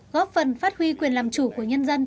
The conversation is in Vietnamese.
góp phần phát huy quyền làm chủ của nhân dân